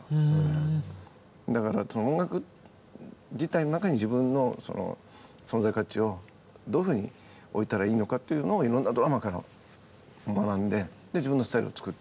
だからその音楽自体の中に自分の存在価値をどういうふうに置いたらいいのかっていうのをいろんなドラマーから学んで自分のスタイルを作る。